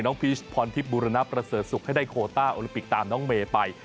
น้องพีชผอนทิศบูรณะประเสริฐสุขให้ได้โคต้าโอลิบิกตามน้องเมล์ไป